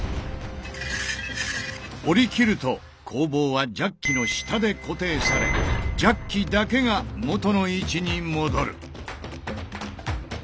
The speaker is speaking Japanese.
おりきると鋼棒はジャッキの下で固定されジャッキだけが元の位置に戻る。